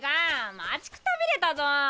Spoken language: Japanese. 待ちくたびれたぞ！